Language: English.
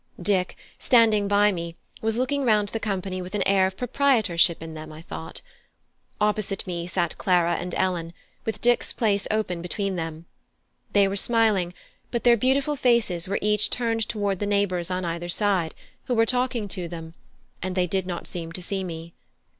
Dick, standing by me was looking round the company with an air of proprietorship in them, I thought. Opposite me sat Clara and Ellen, with Dick's place open between them: they were smiling, but their beautiful faces were each turned towards the neighbours on either side, who were talking to them, and they did not seem to see me.